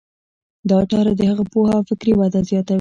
دا چاره د هغه پوهه او فکري وده زیاتوي.